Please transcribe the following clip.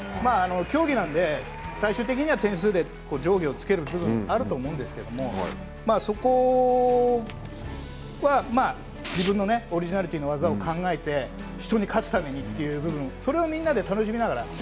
競技なんで最終的には点数で上下をつける部分はあると思うんですけどもそこは自分のオリジナルティーの技を考えて人に勝つためにという部分それをみんなで楽しみながら。